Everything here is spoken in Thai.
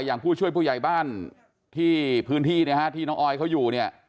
อย่างผู้ช่วยผู้ใหญ่บ้านที่พื้นที่นะฮะที่น้องออยเขาอยู่เนี่ย